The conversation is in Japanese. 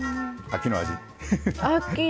秋の味。